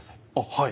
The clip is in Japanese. はい。